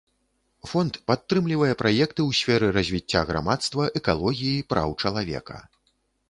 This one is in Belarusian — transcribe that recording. Фонд падтрымлівае праекты ў сферы развіцця грамадства, экалогіі, праў чалавека.